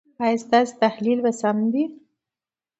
ایا ستاسو تحلیل به سم وي؟